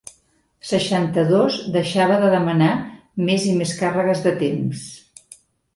Seixanta-dos deixava de demanar més i més càrregues de temps.